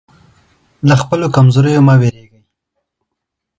له خپلو کمزوریو مه وېرېږئ.